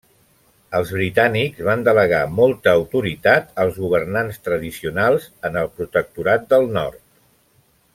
Els britànics van delegar molta autoritat als governants tradicionals en el protectorat del Nord.